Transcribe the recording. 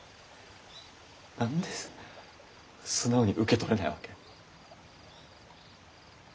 何で素直に受け取れないわけ？